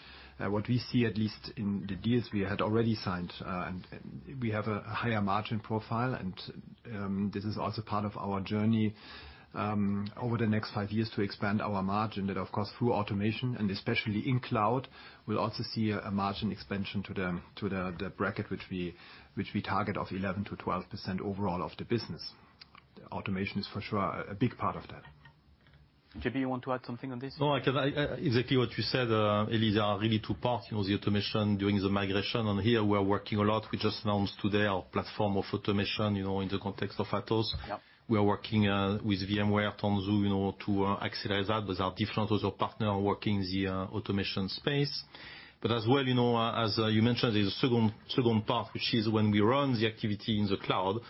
[SPEAKER 11] what we see, at least in the deals we had already signed, and we have a higher margin profile, and this is also part of our journey over the next five years to expand our margin. That, of course, through automation, and especially in cloud, we'll also see a margin expansion to the bracket which we target of 11%-12% overall of the business. Automation is for sure a big part of that.
[SPEAKER 1] JP, you want to add something on this?
[SPEAKER 10] No, I can. Exactly what you said, Elie, there are really two parts, you know, the automation during the migration, and here we are working a lot. We just announced today our platform of automation, you know, in the context of Atos.
[SPEAKER 1] Yep.
[SPEAKER 10] We are working with VMware Tanzu, you know, to accelerate that with our different other partner working the automation space. But as well, you know, as you mentioned, there's a second part, which is when we run the activity in the cloud,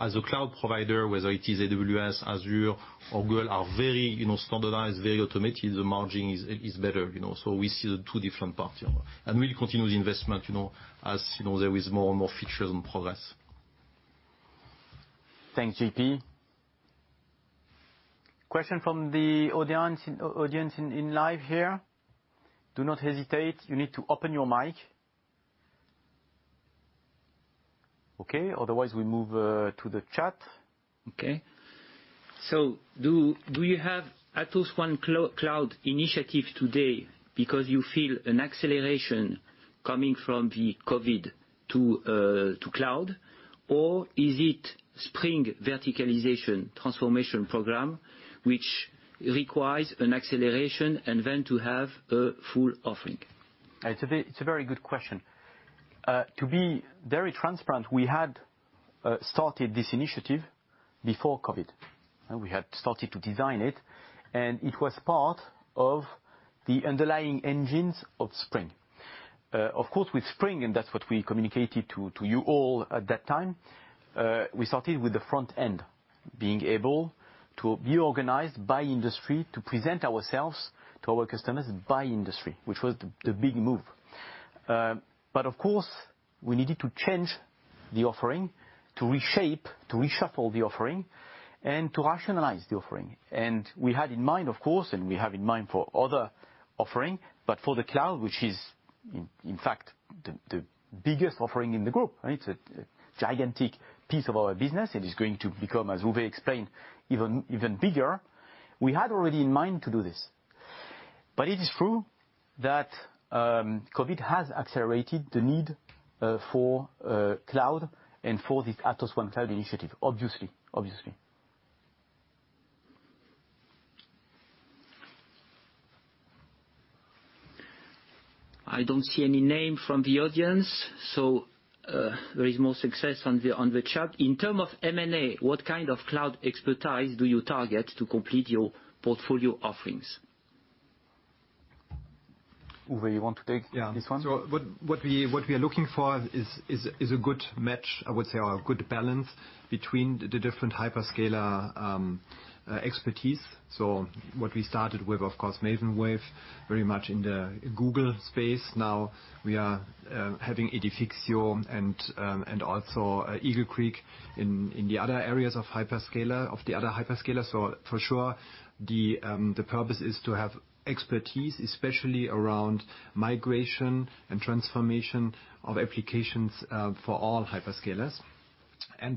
[SPEAKER 10] as a cloud provider, whether it is AWS, Azure or Google, are very, you know, standardized, very automated, the margin is better, you know, so we see the two different parts, and we'll continue the investment, you know, as you know, there is more and more features in progress.
[SPEAKER 1] Thanks, JP. Question from the audience. Audience in live here? Do not hesitate. You need to open your mic. Okay, otherwise, we move to the chat.
[SPEAKER 9] Okay. So do you have Atos OneCloud initiative today because you feel an acceleration coming from the COVID to cloud? Or is it SPRING verticalization transformation program, which requires an acceleration and then to have a full offering?
[SPEAKER 1] It's a very good question. To be very transparent, we had started this initiative before COVID, and we had started to design it, and it was part of the underlying engines of SPRING. Of course, with SPRING, and that's what we communicated to you all at that time, we started with the front end, being able to be organized by industry to present ourselves to our customers by industry, which was the big move. But of course, we needed to change the offering, to reshape, to reshuffle the offering, and to rationalize the offering. And we had in mind, of course, and we have in mind for other offering, but for the cloud, which is in fact the biggest offering in the group, right? It's a gigantic piece of our business, it is going to become, as Uwe explained, even bigger. We had already in mind to do this. But it is true that, COVID has accelerated the need, for cloud and for this Atos OneCloud initiative, obviously. I don't see any name from the audience, so, there is more success on the chat. In term of M&A, what kind of cloud expertise do you target to complete your portfolio offerings? Uwe, you want to take-
[SPEAKER 11] Yeah.
[SPEAKER 1] -this one?
[SPEAKER 11] What we are looking for is a good match, I would say, or a good balance between the different hyperscaler expertise. What we started with, of course, Maven Wave, very much in the Google space. Now, we are having Edifixio and also Eagle Creek in the other areas of hyperscaler, of the other hyperscaler. For sure, the purpose is to have expertise, especially around migration and transformation of applications for all hyperscalers.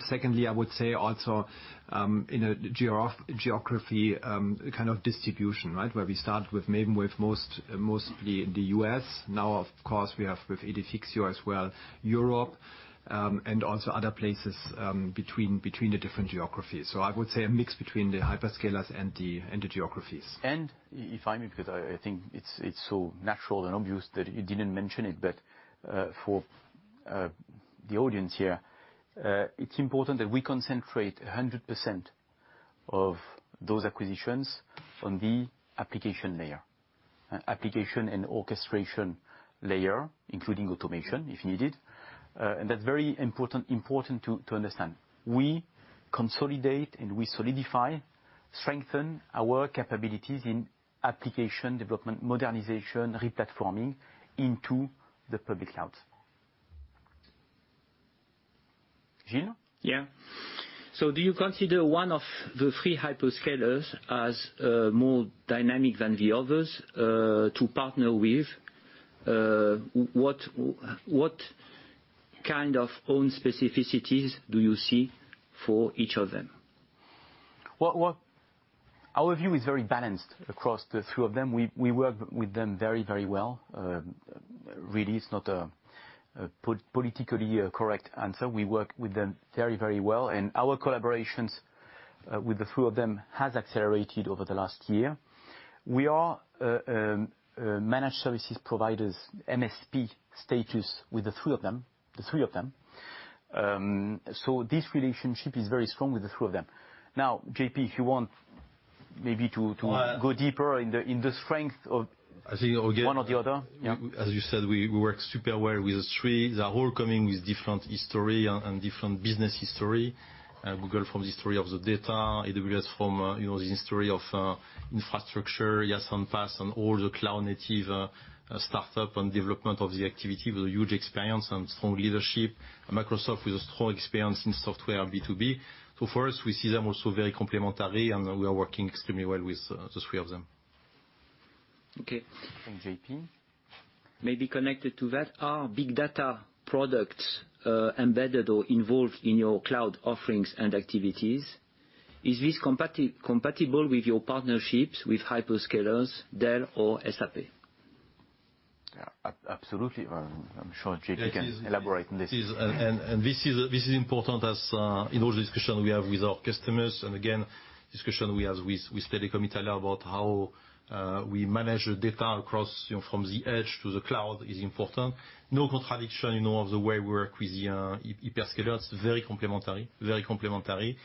[SPEAKER 11] Secondly, I would say also in a geography kind of distribution, right? Where we started with Maven Wave mostly in the US. Now, of course, we have with Edifixio as well, Europe and also other places between the different geographies. So I would say a mix between the hyperscalers and the geographies.
[SPEAKER 1] And if I may, because I think it's so natural and obvious that you didn't mention it, but, for the audience here, it's important that we concentrate 100% of those acquisitions on the application layer, application and orchestration layer, including automation if needed. And that's very important to understand. We consolidate and we solidify, strengthen our capabilities in application development, modernization, replatforming into the public cloud. Gilles?
[SPEAKER 9] Yeah, so do you consider one of the three hyperscalers as more dynamic than the others to partner with? What kind of own specificities do you see for each of them?
[SPEAKER 1] Our view is very balanced across the three of them. We work with them very, very well. Really, it's not a politically correct answer. We work with them very, very well, and our collaborations with the three of them has accelerated over the last year. We are a managed services provider, MSP status with the three of them. So this relationship is very strong with the three of them. Now, JP, if you want maybe to.
[SPEAKER 10] Uh-
[SPEAKER 1] -go deeper in the strength of-
[SPEAKER 10] I think, again-
[SPEAKER 1] One or the other? Yeah.
[SPEAKER 10] As you said, we work super well with the three. They are all coming with different history and different business history. Google from the history of the data, AWS from, you know, the history of infrastructure, yes, and based on all the cloud-native startup and development of the activity with a huge experience and strong leadership, and Microsoft with a strong experience in software B2B. So for us, we see them also very complementary, and we are working extremely well with the three of them.
[SPEAKER 1] Okay. Thanks, JP.
[SPEAKER 9] Maybe connected to that, are big data products embedded or involved in your cloud offerings and activities? Is this compatible with your partnerships with hyperscalers, Dell or SAP?
[SPEAKER 1] Yeah, absolutely. I'm sure JP can elaborate on this.
[SPEAKER 10] Yes, and this is important, as in all discussions we have with our customers, and again, discussion we have with Telecom Italia about how we manage the data across, you know, from the edge to the cloud is important. No contradiction, you know, of the way we work with the hyperscalers. It's very complementary, very complementary.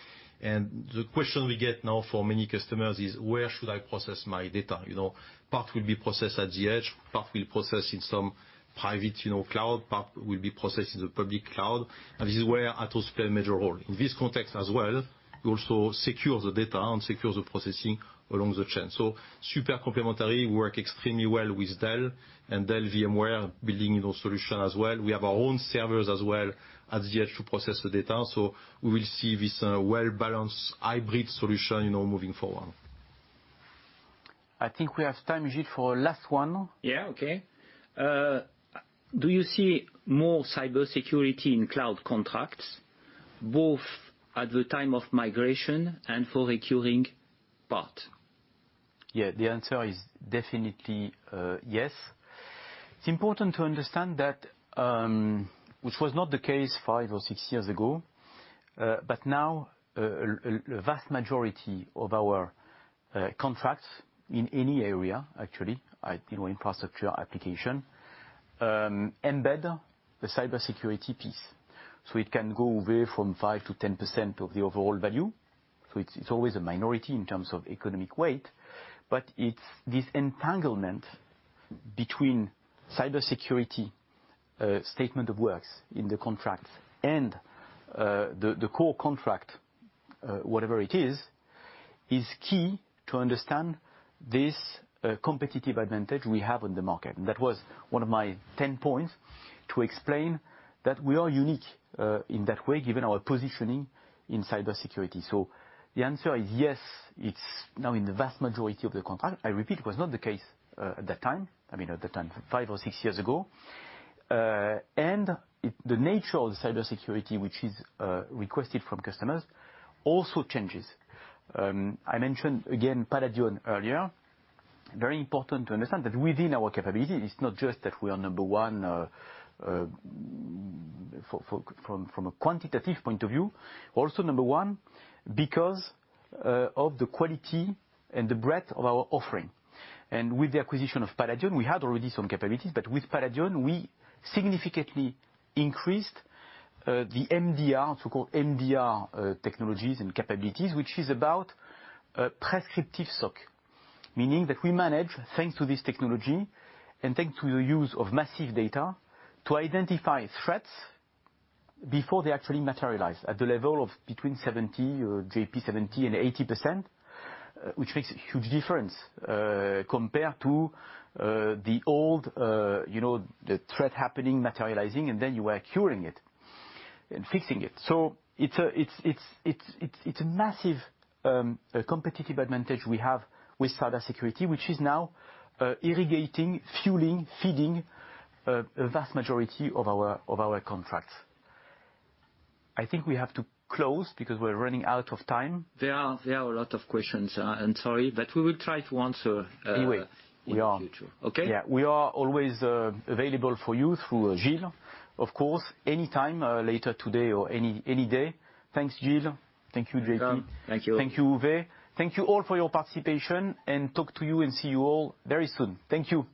[SPEAKER 10] And the question we get now from many customers is: Where should I process my data? You know, part will be processed at the edge, part will process in some private, you know, cloud, part will be processed in the public cloud, and this is where Atos play a major role. In this context as well, we also secure the data and secure the processing along the chain. So super complementary. We work extremely well with Dell and VMware building those solutions as well. We have our own servers as well at the edge to process the data, so we will see this well-balanced hybrid solution, you know, moving forward.
[SPEAKER 9] I think we have time, Gilles, for a last one.
[SPEAKER 1] Yeah, okay.
[SPEAKER 9] Do you see more cybersecurity in cloud contracts, both at the time of migration and for recurring part?
[SPEAKER 1] Yeah, the answer is definitely yes. It's important to understand that, which was not the case five or six years ago, but now a vast majority of our contracts in any area, actually, you know, infrastructure, application, embed the cybersecurity piece. So it can go away from 5%-10% of the overall value, so it's always a minority in terms of economic weight, but it's this entanglement between cybersecurity, statement of works in the contract and the core contract, whatever it is, is key to understand this competitive advantage we have on the market, and that was one of my 10 points to explain, that we are unique in that way, given our positioning in cybersecurity, so the answer is yes, it's now in the vast majority of the contract. I repeat, it was not the case, at that time, I mean, at the time, five or six years ago. And it, the nature of the cybersecurity, which is requested from customers, also changes. I mentioned again, Paladion earlier. Very important to understand that within our capability, it's not just that we are number one, for from a quantitative point of view. Also number one because of the quality and the breadth of our offering. And with the acquisition of Paladion, we had already some capabilities, but with Paladion, we significantly increased the MDR, so-called MDR, technologies and capabilities, which is about prescriptive SOC. Meaning that we manage, thanks to this technology and thanks to the use of massive data, to identify threats before they actually materialize at the level of between 70%, JP, 70% and 80%, which makes a huge difference, compared to the old, you know, the threat happening, materializing, and then you are curing it and fixing it. So it's a massive competitive advantage we have with cybersecurity, which is now irrigating, fueling, feeding a vast majority of our contracts. I think we have to close because we're running out of time.
[SPEAKER 9] There are a lot of questions, and sorry, but we will try to answer.
[SPEAKER 1] Anyway...
[SPEAKER 9] in the future.
[SPEAKER 1] We are.
[SPEAKER 9] Okay?
[SPEAKER 1] Yeah. We are always available for you through Gilles, of course, anytime later today or any day. Thanks, Gilles. Thank you, JP.
[SPEAKER 9] Thank you.
[SPEAKER 1] Thank you, Uwe. Thank you all for your participation, and talk to you and see you all very soon. Thank you.